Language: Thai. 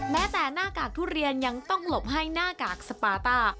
แม้แต่หน้ากากทุเรียนยังต้องหลบให้หน้ากากสปาต้า